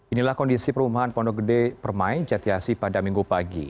inilah kondisi perumahan pondok gede permai jatiasi pada minggu pagi